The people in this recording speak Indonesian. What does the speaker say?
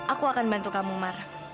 aku akan bantu kamu marah